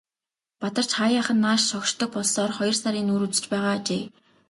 Бадарч хааяахан нааш шогшдог болсоор хоёр сарын нүүр үзэж байгаа ажээ.